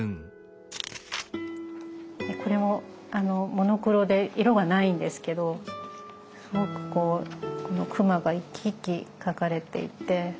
これもモノクロで色がないんですけどすごくこのクマが生き生き描かれていて。